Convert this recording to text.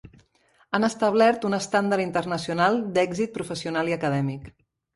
Han establert un estàndard internacional d'èxit professional i acadèmic.